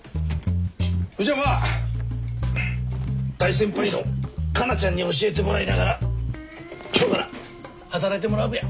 そいじゃまあ大先輩の加奈ちゃんに教えてもらいながら今日から働いてもらうべや。